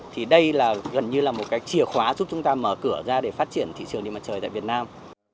thì đây là gần như là một cái chìa khóa giúp chúng ta mở cửa ra để phát triển thị trường điện mặt trời tại việt nam